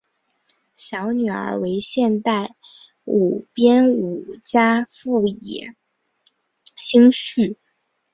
小女儿为现代舞编舞家富野幸绪。